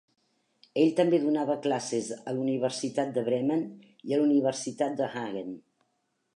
Ell també donava classes a la Universitat de Bremen i a la Universitat de Hagen.